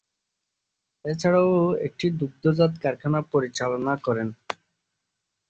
এছাড়াও একটি দুগ্ধজাত কারখানা পরিচালনা করেন।